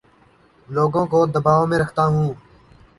لوگوں کو دباو میں رکھتا ہوں